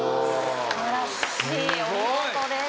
すばらしいお見事です